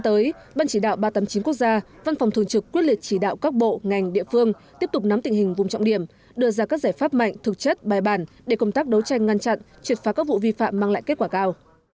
trong ba trăm tám mươi chín quốc gia văn phòng thường trực quyết liệt chỉ đạo các bộ ngành địa phương tiếp tục nắm tình hình vùng trọng điểm đưa ra các giải pháp mạnh thực chất bài bản để công tác đấu tranh ngăn chặn truyệt phá các vụ vi phạm mang lại kết quả cao